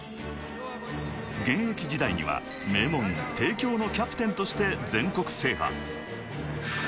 現役時代には名門・帝京のキャプテンとして全国制覇。